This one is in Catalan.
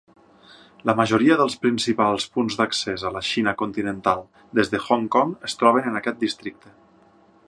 La majoria dels principals punts d'accés a la Xina continental des de Hong Kong es troben en aquest districte.